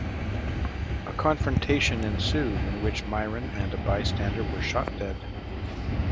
A confrontation ensued in which Myron and a bystander were shot dead.